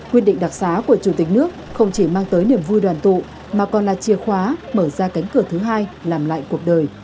quyết định đặc xá của chủ tịch nước không chỉ mang tới niềm vui đoàn tụ mà còn là chìa khóa mở ra cánh cửa thứ hai làm lại cuộc đời